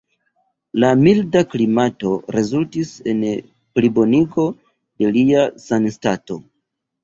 La milda klimato rezultis en plibonigo de lia sanstato.